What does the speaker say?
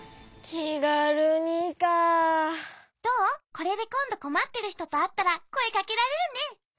これでこんどこまってるひととあったらこえかけられるね。